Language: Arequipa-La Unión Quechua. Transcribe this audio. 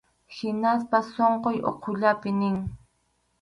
Hinaspas sunqun ukhullapi nin.